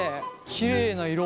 きれいな色。